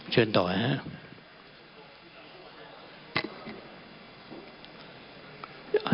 เชิญต่อนะครับ